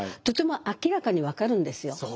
とても明らかに分かるんですよ。